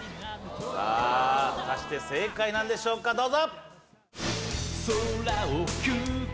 さあ果たして正解なんでしょうかどうぞ！